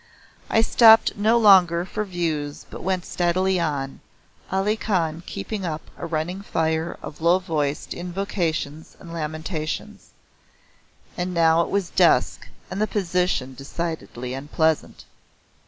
I stopped no longer for views but went steadily on, Ali Khan keeping up a running fire of low voiced invocations and lamentations. And now it was dusk and the position decidedly unpleasant.